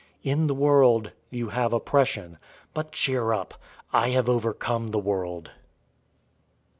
In the world you have oppression; but cheer up! I have overcome the world."